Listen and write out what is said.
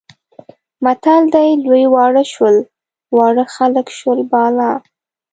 متل دی لوی واړه شول، واړه خلک شول بالا.